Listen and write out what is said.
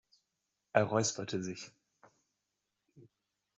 Er räusperte sich.